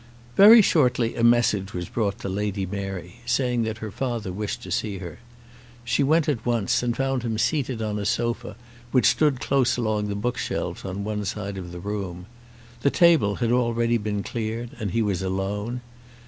Very shortly a message was brought to Lady Mary, saying that her father wished to see her. She went at once, and found him seated on a sofa, which stood close along the bookshelves on one side of the room. The table had already been cleared, and he was alone.